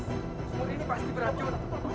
sumur ini pasti beracun